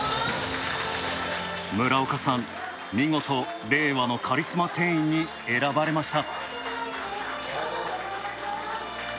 村岡さん、見事令和のカリスマ店員に選ばれました。